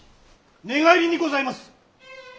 寝返りにございます！